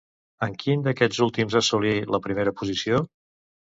En quin d'aquests últims assolí la primera posició?